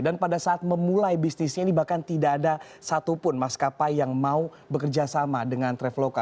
dan pada saat memulai bisnisnya ini bahkan tidak ada satupun maskapai yang mau bekerja sama dengan traveloka